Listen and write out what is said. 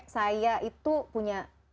saya itu punya